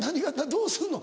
どうするの？